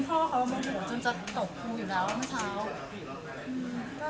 เพราะว่าเขามองหัวจนจะตกครูอยู่แล้วเมื่อเช้า